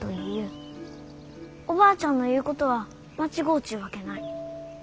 おばあちゃんの言うことは間違うちゅうわけない。